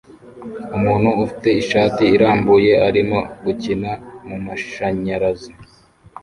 Umuntu ufite ishati irambuye arimo gukina mumashanyarazi